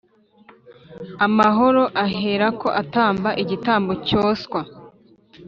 amahoro Aherako atamba igitambo cyoswa